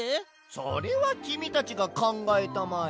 それはきみたちがかんがえたまえ。